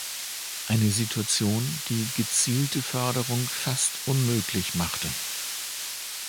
Eine Situation, die gezielte Förderung fast unmöglich machte.